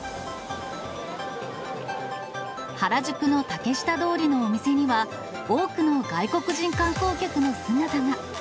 原宿の竹下通りのお店には多くの外国人観光客の姿が。